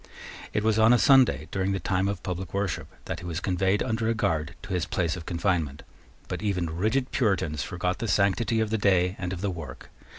It was on a Sunday, during the time of public worship, that he was conveyed under a guard to his place of confinement: but even rigid Puritans forgot the sanctity of the day and of the work.